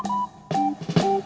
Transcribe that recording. saya juga ngantuk